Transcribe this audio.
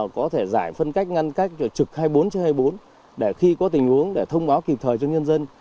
có thể giải phân cách ngăn cách trực hai mươi bốn hai mươi bốn để khi có tình huống để thông báo kịp thời cho nhân dân